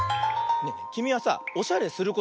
きみはさおしゃれすることある？